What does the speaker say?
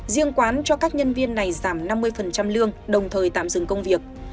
riêng quán cho các nhân viên này giảm năm mươi lương đồng thời tạm dừng công việc